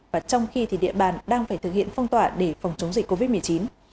và trong khi địa bàn đang phải thực hiện phong tỏa để phòng chống dịch covid